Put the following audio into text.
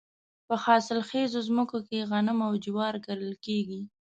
په حاصل خیزو ځمکو کې غنم او جوار کرل کیږي.